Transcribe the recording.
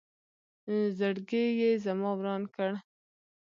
زړګې یې زما وران کړ